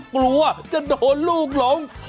กลัวจะโดนลูกหลง